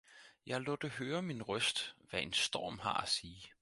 jeg lod det høre min Røst, hvad en Storm har at sige.